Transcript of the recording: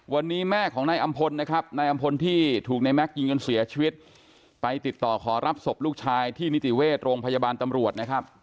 วันนี้แม่ของนายอำพลที่ถูกในแม่ขยงยนต์เสียชีวิตไปติดต่อขอรับศพลูกชายที่นิติเวชโรงพยาบาทตำรวจ